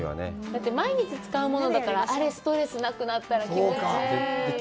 だって毎日使うものだから、あれ、ストレスなくなったら気持ちいい。